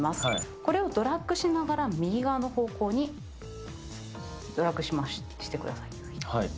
これをドラッグしながら右側の方向にドラッグしてください。